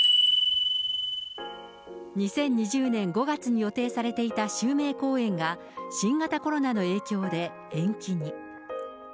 ２０２０年５月に予定されていた襲名公演が、新型コロナの影響で延期に。